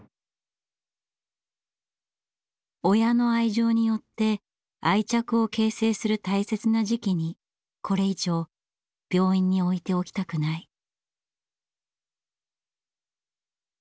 親の愛情によって愛着を形成する大切な時期にこれ以上病院に置いておきたくない。